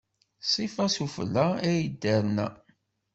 Ṣṣifa, s ufella ay d-terna.